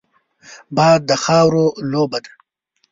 باد د خاورو لوبه ده